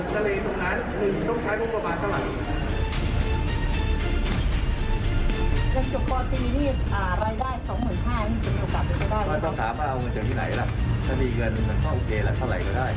เพราะการถูกทะเลตรงนั้นต้องใช้มุมประมาณสลัด